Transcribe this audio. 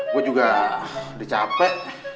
gue juga udah capek